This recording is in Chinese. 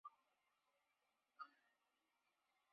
一说南陈天嘉三年改名金华郡。